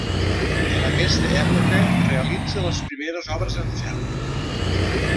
En aquesta època realitza les primeres obres en ferro.